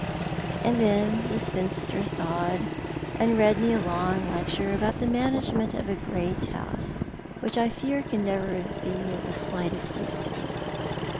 And then the spinster thawed, and read me a long lecture uiDon the management of a great house, which I fear can never be of tho slightest use to me.